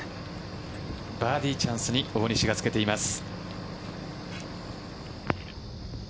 バーディーチャンスに大西がつけています。